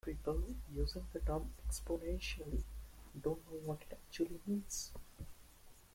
Most people using the term "exponentially" don't know what it actually means.